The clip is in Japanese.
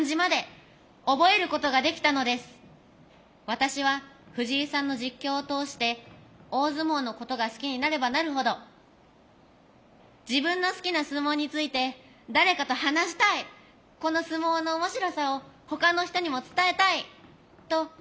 私は藤井さんの実況を通して大相撲のことが好きになればなるほど「自分の好きな相撲について誰かと話したいこの相撲の面白さをほかの人にも伝えたい」と思うようになりました。